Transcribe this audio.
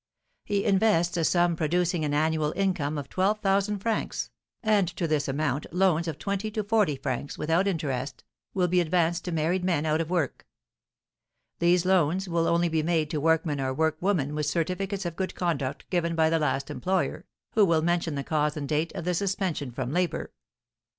He invests a sum producing an annual income of twelve thousand francs, and to this amount loans of twenty to forty francs, without interest, will be advanced to married men out of work. These loans will only be made to workmen or workwomen with certificates of good conduct given by the last employer, who will mention the cause and date of the suspension from labour.